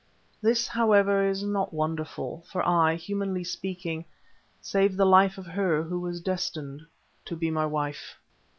This, however, is not wonderful, for I had, humanly speaking, saved the life of her who was destined to be my wife.